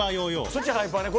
そっちハイパーね。